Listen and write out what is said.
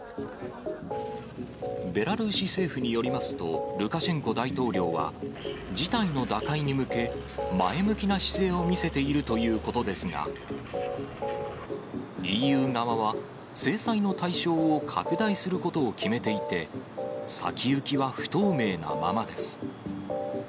ベラルーシ政府によりますと、ルカシェンコ大統領は事態の打開に向け、前向きな姿勢を見せているということですが、ＥＵ側は制裁の対象を拡大することを決めていて、先行きは不透明なままです。